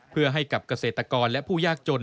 เพื่อให้กับเกษตรกรและผู้ยากจน